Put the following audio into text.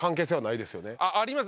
あります。